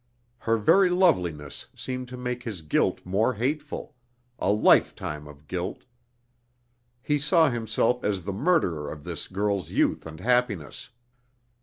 Her very loveliness seemed to make his guilt more hateful a lifetime of guilt! He saw himself as the murderer of this girl's youth and happiness.